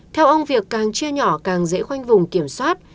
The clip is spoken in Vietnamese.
theo ông việc càng chia nhỏ càng dễ khoanh vùng kiểm soát